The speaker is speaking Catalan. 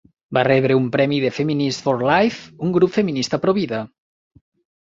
Va rebre un premi de Feminists for Life, un grup feminista provida.